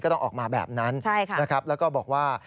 ก็ต้องออกมาแบบนั้นแล้วก็บอกว่า